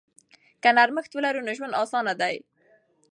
که نرمښت ولرو نو ژوند اسانه دی.